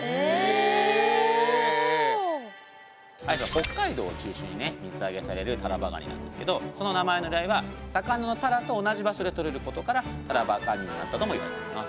北海道を中心に水揚げされるタラバガニなんですけどその名前の由来は魚のタラと同じ場所で取れることからタラバガニになったともいわれています。